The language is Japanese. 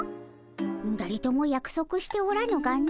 だれともやくそくしておらぬがの。